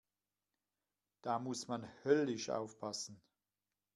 Da muss man höllisch aufpassen.